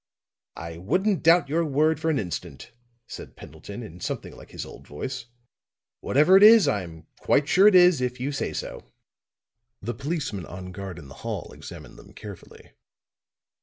"I wouldn't doubt your word for an instant," said Pendleton, in something like his old voice. "Whatever it is, I'm quite sure it is if you say so." The policeman on guard in the hall examined them carefully.